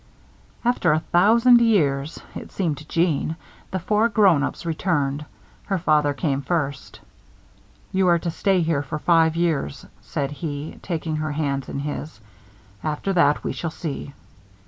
After a thousand years (it seemed to Jeanne) the four grown ups returned. Her father came first. "You are to stay here for five years," said he, taking her hands in his. "After that, we shall see.